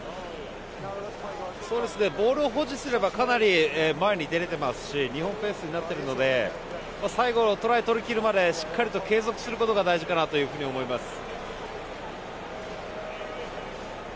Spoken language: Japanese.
ボールを保持すればかなり前に出れていますし日本ペースになっているので最後、トライを取りきるまでしっかり継続することが大事かなと思います。